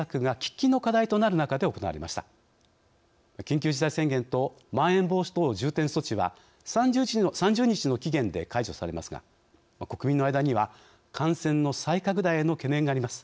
緊急事態宣言とまん延防止等重点措置は３０日の期限で解除されますが国民の間には感染の再拡大への懸念があります。